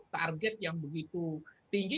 target yang begitu tinggi